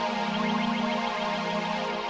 sampai jumpa lagi